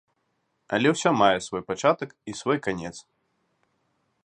Але ўсё мае свой пачатак і свой канец.